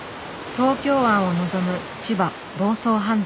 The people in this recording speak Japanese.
東京湾をのぞむ千葉房総半島。